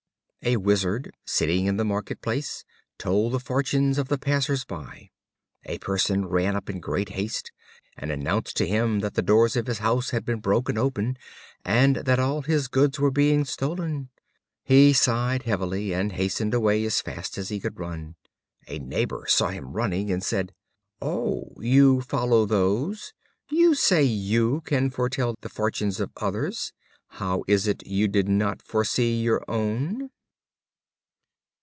A Wizard, sitting in the market place, told the fortunes of the passers by. A person ran up in great haste, and announced to him that the doors of his house had been broken open, and that all his goods were being stolen. He sighed heavily, and hastened away as fast as he could run. A neighbor saw him running, and said: "Oh! you follow those? you say you can foretell the fortunes of others; how is it you did not foresee your own?"